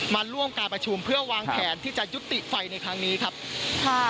มาร่วมการประชุมเพื่อวางแผนที่จะยุติไฟในครั้งนี้ครับค่ะ